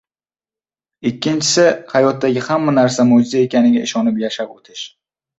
Ikkinchisi, hayotdagi hamma narsa mo‘jiza ekaniga ishonib yashab o‘tish.